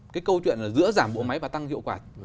cái câu chuyện là giữa giảm bộ máy và tăng hiệu quả